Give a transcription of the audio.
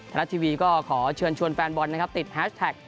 รัฐทีวีก็ขอเชิญชวนแฟนบอลนะครับติดแฮชแท็ก